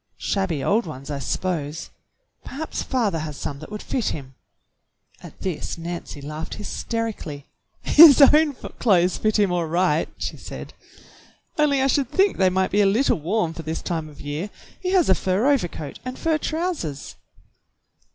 "Shabby old ones, I s'pose. Perhaps father has some that would fit him." At this Nancy laughed hysterically. "His own NANCY MERRIFIELD AND THE STRANGER 25 clothes fit him all right," she said. "Only I should think they might be a little warm for this time of year. He has a fur overcoat and fur trousers."